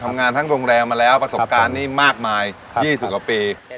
ทำงานทั้งโรงแรมมาแล้วพักษการณ์นี้มากมายครับยี่สูงกว่าปีครับ